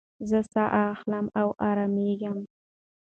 زه ساه اخلم او ارامېږم.